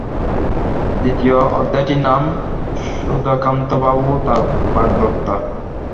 দ্বিতীয় অধ্যায়টির নাম-সুধাকান্তবাবুও তাঁর বাগদত্তা।